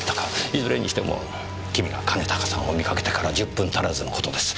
いずれにしても君が兼高さんを見かけてから１０分足らずの事です。